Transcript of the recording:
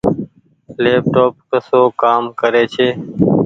ليپ ٽوپ ڪسو ڪآ ڪري ڇي ۔